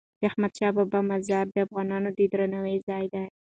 د احمدشاه بابا مزار د افغانانو د درناوي ځای دی.